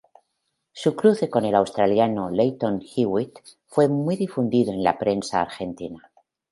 Su cruce con el australiano Lleyton Hewitt fue muy difundido en la prensa argentina.